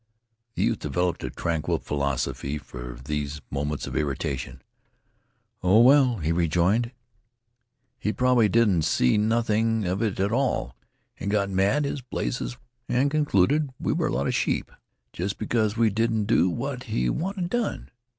The youth developed a tranquil philosophy for these moments of irritation. "Oh, well," he rejoined, "he probably didn't see nothing of it at all and got mad as blazes, and concluded we were a lot of sheep, just because we didn't do what he wanted done.